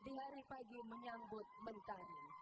di hari pagi menyambut mentari